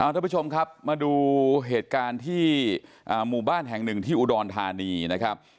ทุกผู้ชมครับมาดูเหตุการณ์ที่หมู่บ้านแห่งหนึ่งที่อุดรธานีนะครับ